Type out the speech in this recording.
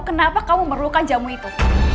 kenapa kamu memerlukan jamu itu